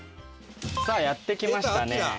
さあやって来ましたね。